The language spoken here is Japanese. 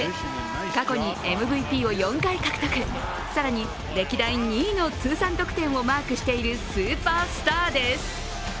過去にＭＶＰを４回獲得更に歴代２位の通算得点をマークしているスーパースターです。